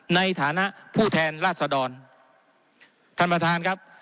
ในฐานะผู้แทนราชดรท่านประธานครับ